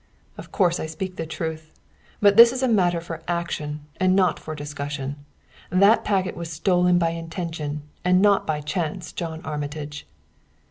"Of course I speak the truth; but this is a matter for action, and not for discussion. That packet was stolen by intention, and not by chance, John Armitage!"